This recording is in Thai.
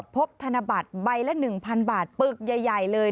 ธนบัตรใบละ๑๐๐บาทปึกใหญ่เลย